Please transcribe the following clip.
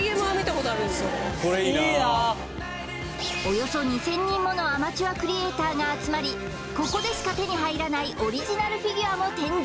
およそ２０００人ものアマチュアクリエイターが集まりここでしか手に入らないオリジナルフィギュアも展示